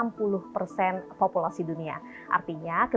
mereka sepupu pengelolaan yrgota